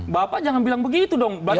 bapak jangan bilang begitu dong